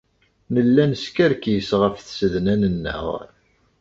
Nella neskerkis ɣef tsednan-nneɣ.